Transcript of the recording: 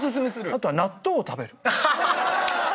あとは納豆を食べる。